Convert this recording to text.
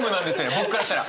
僕からしたら。